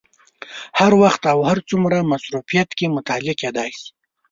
هر وخت او هر څومره مصروفیت کې مطالعه کېدای شي.